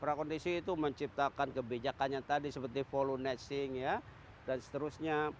prakondisi itu menciptakan kebijakannya tadi seperti follow netsing ya dan seterusnya